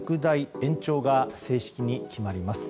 ・延長が正式に決まります。